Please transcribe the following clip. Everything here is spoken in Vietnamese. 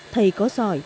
thầy có giỏi